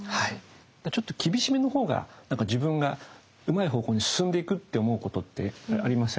ちょっと厳しめの方がなんか自分がうまい方向に進んでいくと思うことってありません？